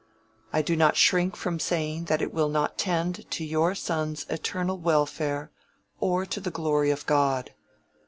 I do not shrink from saying that it will not tend to your son's eternal welfare or to the glory of God.